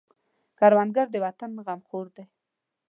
کروندګر د وطن غمخور دی